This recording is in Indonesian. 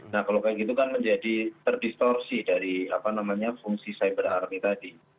nah kalau kayak gitu kan menjadi terdistorsi dari fungsi cyber army tadi